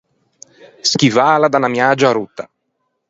Schivâla da unna miagia rotta.